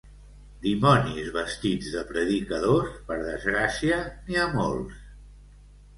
Dimonis vestits de predicadors, per desgràcia n'hi ha molts.